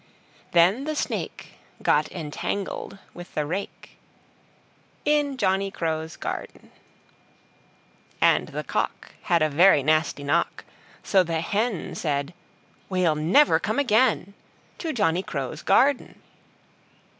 Then the Snake Got entangled with the rake In Johnny Crow's Garden. And the Cock Had a very nasty knock; So the Hen Said: "We'll never come again To Johnny Crow's Garden!"